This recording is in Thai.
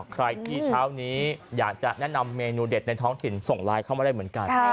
ใครที่เช้านี้อยากจะแนะนำเมนูเด็ดในท้องถิ่นส่งไลน์เข้ามาได้เหมือนกัน